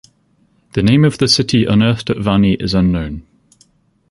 The name of the city unearthed at Vani is unknown.